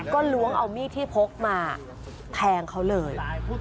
ก็ล้วงเอามีดที่พกมาแทงเขาเลย